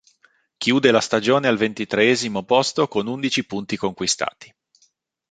Chiude la stagione al ventitreesimo posto con undici punti conquistati.